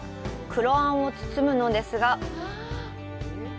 黒あんを包むのですが。